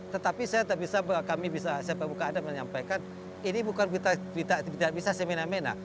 tetapi saya tidak bisa kami bisa saya pemuka adat menyampaikan ini bukan kita bisa semena mena